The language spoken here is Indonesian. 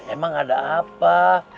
emang ada apa